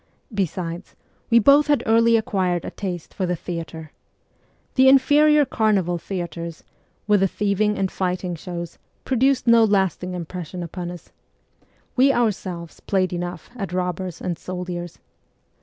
Besides, we both had early acquired a taste for the theatre. The inferior carnival theatres, with the thieving and fighting shows, produced no lasting impression upon us : we ourselves played enough at robbers and soldiers.